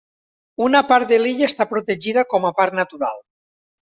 Una part de l'illa està protegida com a parc natural.